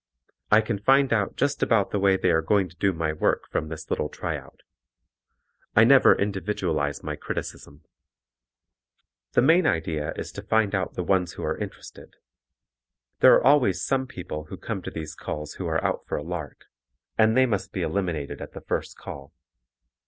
I can find out just about the way they are going to do my work from this little tryout. I never individualize my criticism. The main idea is to find out the ones who are interested. There are always some people who come to these calls who are out for a lark, and they must be eliminated at the first call.